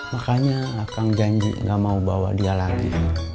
makanya kang janji gak mau bawa dia lagi